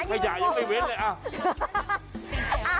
จะไม่เว้นเลยอ่า